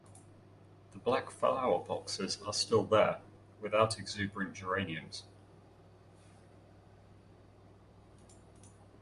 The black flower boxes are still there, without exuberant geraniums.